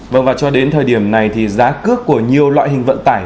vâng và cho đến thời điểm này thì giá cước của nhiều loại hình vận tải